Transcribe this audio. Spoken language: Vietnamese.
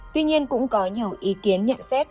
tuy nhiên cũng có nhiều ý kiến nhận xét